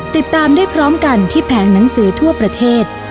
ติดตามได้พร้อมกันที่แผงหนังสือทั่วประเทศ